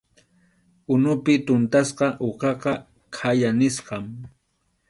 Unupi tuntasqa uqaqa khaya nisqam.